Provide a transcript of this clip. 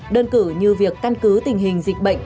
đơn cử như việc căn cứ tình hình dịch bệnh